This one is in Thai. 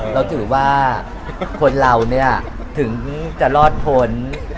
เราถือว่าคนเราเนี่ยถึงจะรอดพ้น